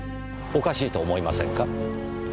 おかしいと思いませんか？